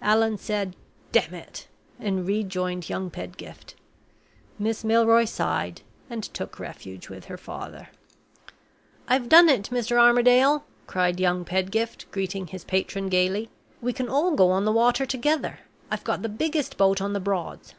Allan said: "Damn it," and rejoined young Pedgift. Miss Milroy sighed, and took refuge with her father. "I've done it, Mr. Armadale!" cried young Pedgift, greeting his patron gayly. "We can all go on the water together; I've got the biggest boat on the Broads.